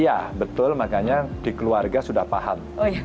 iya betul makanya dikeluarga sudah paham